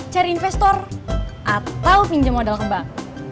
cari investor atau pinjam modal ke bank